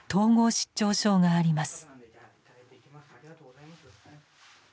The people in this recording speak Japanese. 失調症があります。